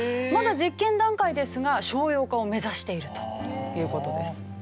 まだ実験段階ですが商用化を目指しているという事です。